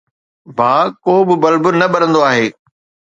ڀاءُ، ڪو به بلب نه ٻرندو آهي